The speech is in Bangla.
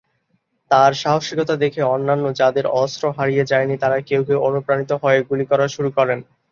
তার সাহসিকতা দেখে অন্যান্য যাঁদের অস্ত্র হারিয়ে যায়নি তারা কেউ কেউ অনুপ্রাণিত হয়ে গুলি করা শুরু করেন।